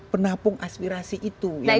penapung aspirasi itu